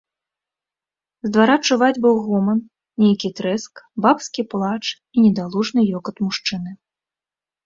З двара чуваць быў гоман, нейкі трэск, бабскі плач і недалужны ёкат мужчыны.